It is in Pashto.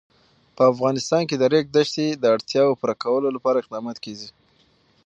په افغانستان کې د د ریګ دښتې د اړتیاوو پوره کولو لپاره اقدامات کېږي.